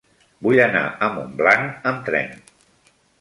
Vull anar a Montblanc amb tren.